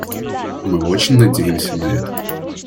Мы очень надеемся на это.